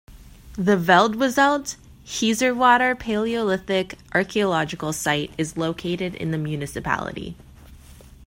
The Veldwezelt-Hezerwater Palaeolithic archaeological site is located in the municipality.